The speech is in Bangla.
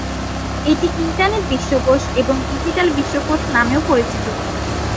এটি ইন্টারনেট বিশ্বকোষ এবং ডিজিটাল বিশ্বকোষ নামেও পরিচিত।